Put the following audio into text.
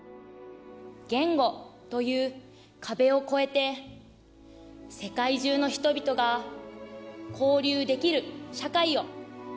言語という壁を越えて世界中の人々が交流できる社会を。